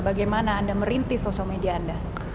bagaimana anda merintis sosial media anda